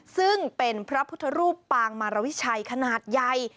ซึ่งเป็นพระพุทธรูปปางมารวิชัยขนาดใหญ่